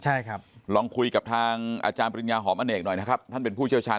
ใช่ครับลองคุยกับทางอาจารย์ปริญญาหอมอเนกหน่อยนะครับท่านเป็นผู้เชี่ยวชาญ